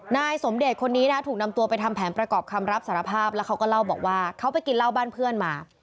นายสมเดชน์คนนี้นะถูกนำตัวไปทำแผนประกอบคำรับสารภาพแล้วเขาก็เล่าบอกว่าเขาไปกินเหล้าบ้านเพื่อนมา